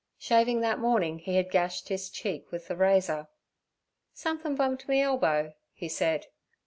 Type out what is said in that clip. Shaving that morning he had gashed his cheek with the razor. 'Somethin' bumped me elbow' he said.